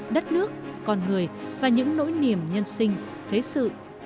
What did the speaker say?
đất nước con người và những nỗi niềm nhân sinh thế sự